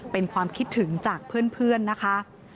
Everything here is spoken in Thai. เป็นความคิดถึงจากเพื่อนนะคะ